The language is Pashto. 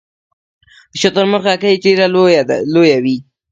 د شترمرغ هګۍ ډیره لویه وي